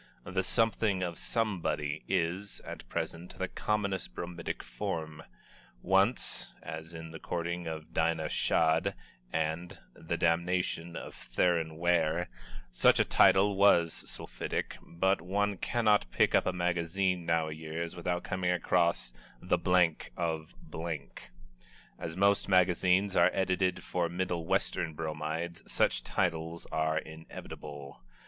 "The Something of Somebody" is, at present, the commonest bromidic form. Once, as in "The Courting of Dinah Shadd" and "The Damnation of Theron Ware," such a title was sulphitic, but one cannot pick up a magazine, nowayears, without coming across "The of " As most magazines are edited for Middle Western Bromides, such titles are inevitable.